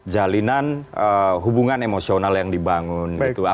jalinan hubungan emosional yang dibangun gitu